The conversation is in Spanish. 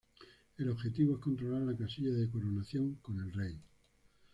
El objetivo es controlar la casilla de coronación con el rey.